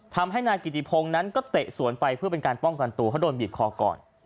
ทำให้นายกิติพงศ์นั้นก็เตะสวนไปเพื่อเป็นการป้องกันตัวเพราะโดนบีบคอก่อน